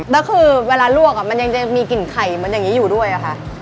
แล้วคือเวลาลวกมันยังจะมีกลิ่นไข่เหมือนอย่างนี้อยู่ด้วยอะค่ะ